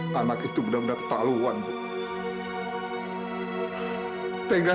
sampai jumpa di video selanjutnya